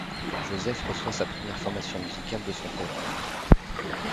Joseph reçoit sa première formation musicale de son père.